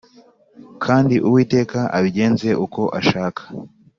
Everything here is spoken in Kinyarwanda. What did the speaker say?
Kandi Uwiteka abigenze uko ashaka.